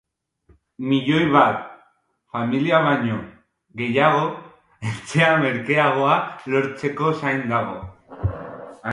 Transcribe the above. Milioi bat familia baino gehiago etxe merkeagoa lortzeko zain dago.